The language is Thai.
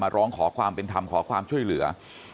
ร้องขอความเป็นธรรมขอความช่วยเหลือ